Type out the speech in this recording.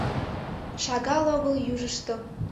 Шагал огыл южышто.